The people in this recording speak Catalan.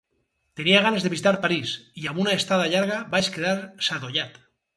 Tenia ganes de visitar París, i amb una estada llarga vaig quedar sadollat.